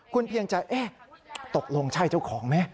คุณเพียงใจเอ๊ะตกลงใช่เจ้าของไหม